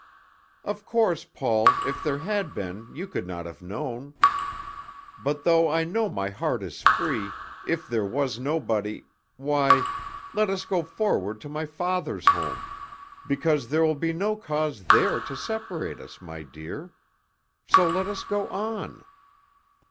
"Of course, Paul, if there had been you could not have known. But though I know my heart is free if there was nobody why, let us go forward to my father's home, because there will be no cause there to separate us, my dear. So let us go on."